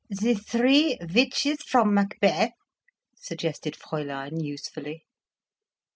"The three witches from Macbeth," suggested Fräulein usefully.